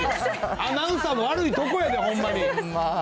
アナウンサーの悪いとこやで、ほんまに。